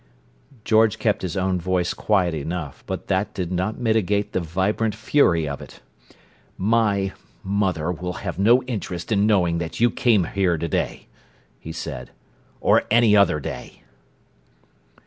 George kept his own voice quiet enough, but that did not mitigate the vibrant fury of it. "My—mother will have no interest in knowing that you came here to day," he said. "Or any other day!"